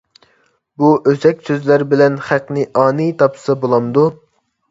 بۇ ئۆسەك سۆزلەر بىلەن خەقنى ئانىي تاپسا بولامدۇ؟